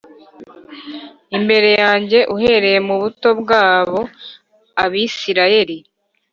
imbere yanjye uhereye mu buto bwabo Abisirayeli